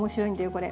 これ。